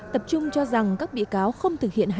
tập trung cho rằng các bị cáo không thực hiện hành vi